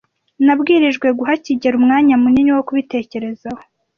Nabwirijwe guha kigeli umwanya munini wo kubitekerezaho.